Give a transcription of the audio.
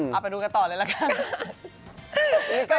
เอาไปดูกันต่อเลยละกัน